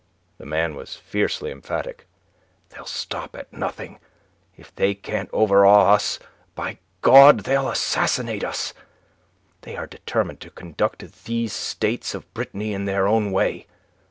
The man was fiercely emphatic. "They'll stop at nothing. If they can't overawe us, by God, they'll assassinate us. They are determined to conduct these States of Brittany in their own way.